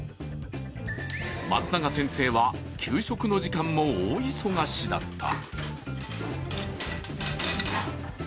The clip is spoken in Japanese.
松永先生は給食の時間も大忙しだった。